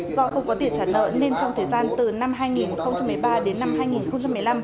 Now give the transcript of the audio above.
do không có tiền trả nợ nên trong thời gian từ năm hai nghìn một mươi ba đến năm hai nghìn một mươi năm